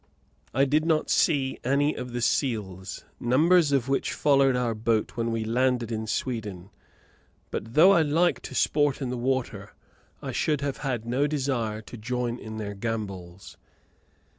I did not see any of the seals, numbers of which followed our boat when we landed in Sweden; but though I like to sport in the water I should have had no desire to join in their gambols.